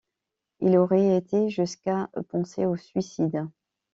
Il aurait été jusqu'à penser au suicide.